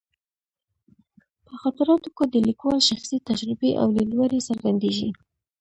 په خاطراتو کې د لیکوال شخصي تجربې او لیدلوري څرګندېږي.